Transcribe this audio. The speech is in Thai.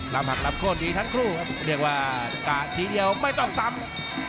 หักลำโค้นดีทั้งคู่ครับเรียกว่ากะทีเดียวไม่ต้องซ้ำ